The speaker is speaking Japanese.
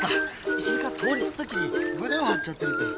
石塚倒立んときに胸を張っちゃってるんだよ。